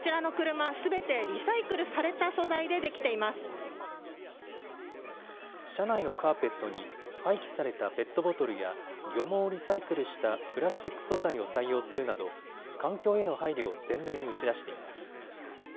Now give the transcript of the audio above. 車内のカーペットに廃棄されたペットボトルや漁網をリサイクルしたプラスチック素材を採用するなど環境への配慮を前面に打ち出しています。